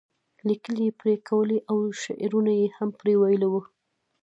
لیکل یې پرې کولی او شعرونه یې هم پرې ویلي وو.